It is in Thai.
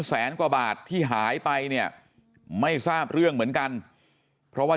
แสนกว่าบาทที่หายไปเนี่ยไม่ทราบเรื่องเหมือนกันเพราะว่า